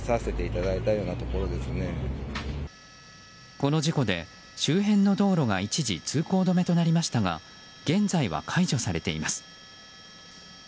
この事故で、周辺の道路が一時通行止めとなりましたが現在は解除されています。